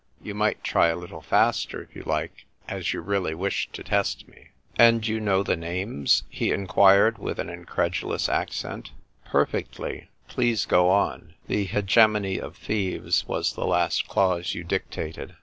" You might try a little faster, if you like, as you really wish to test me." I 122 THE TYl'E WRITER GIRL. " And you know the names ?" he inquired with an incredulous accent. " Perfectly. Please go on ;' the hegemony of Thebes * was the last clause you dictated."